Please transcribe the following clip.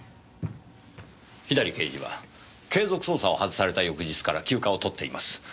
左刑事は継続捜査を外された翌日から休暇を取っています。